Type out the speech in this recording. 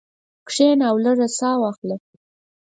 کښېنه او لږه ساه واخله.